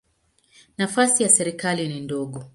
Nafasi ya serikali ni ndogo.